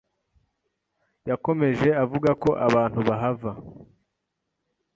yakomeje avuga ko abantu bahava